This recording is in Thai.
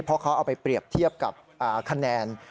เพราะเขาเอาไปเปรียบเทียบกับคะแนน